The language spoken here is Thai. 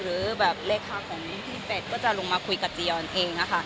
หรือแบบเลขาของพี่เป็ดก็จะลงมาคุยกับจียอนเองนะคะ